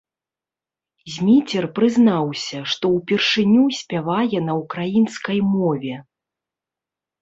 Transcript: Зміцер прызнаўся, што ўпершыню спявае на ўкраінскай мове.